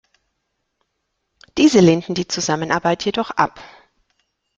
Diese lehnten die Zusammenarbeit jedoch ab.